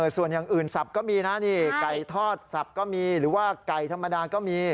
ส่วนอย่างอื่นสับก็มีนะนี่ไก่ทอดสับก็มีหรือว่าไก่ธรรมดาก็มี